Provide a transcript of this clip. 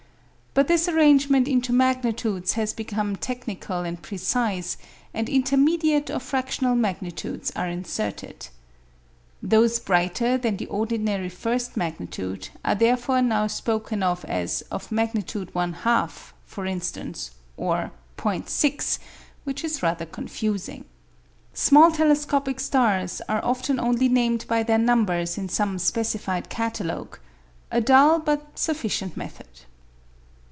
But this arrangement into magnitudes has become technical and precise, and intermediate or fractional magnitudes are inserted. Those brighter than the ordinary first magnitude are therefore now spoken of as of magnitude 1/2, for instance, or ·6, which is rather confusing. Small telescopic stars are often only named by their numbers in some specified catalogue a dull but sufficient method.